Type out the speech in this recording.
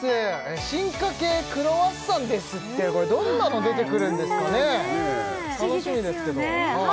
進化系クロワッサンですってこれどんなの出てくるんですかね何だろうね楽しみですけど不思議ですよね